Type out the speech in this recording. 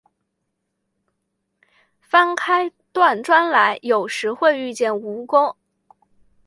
翻开断砖来，有时会遇见蜈蚣